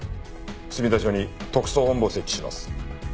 墨田署に特捜本部を設置します。